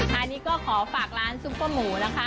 อันนี้ก็ขอฝากร้านซุปเปอร์หมูนะคะ